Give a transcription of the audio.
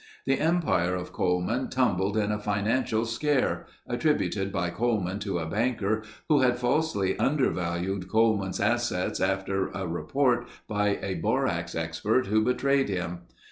The empire of Coleman tumbled in a financial scare—attributed by Coleman to a banker who had falsely undervalued Coleman's assets after a report by a borax expert who betrayed him.